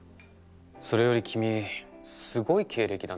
それより君すごい経歴だね。